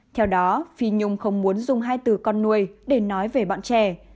theo đó phi nhung không muốn dùng hai từ con nuôi để nói về bọn trẻ